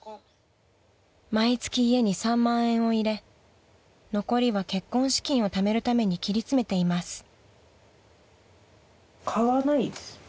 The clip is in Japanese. ［毎月家に３万円を入れ残りは結婚資金をためるために切り詰めています］